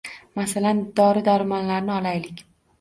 Masalan, dori-darmonlarni olaylik.